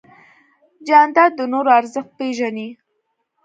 جانداد د نورو ارزښت پېژني.